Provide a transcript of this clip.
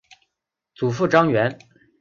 祖父张员。